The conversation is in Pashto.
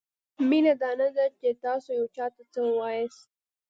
مینه دا نه ده؛ چې تاسو یو چاته څه وایاست؛